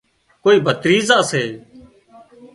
ڪوئي ڀتريزا سي